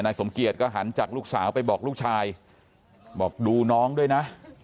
สมเกียจก็หันจากลูกสาวไปบอกลูกชายบอกดูน้องด้วยนะ